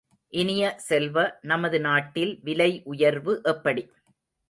இனிய செல்வ, நமது நாட்டில் விலை உயர்வு எப்படி?